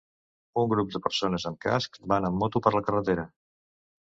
Un grup de persones amb casc van en moto per la carretera.